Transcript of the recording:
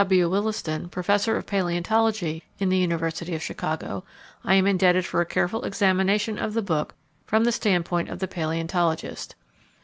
W. Williston, professor of paleontology in the University of Chicago, I am indebted for a careful examination of the book from the standpoint of the paleontologist.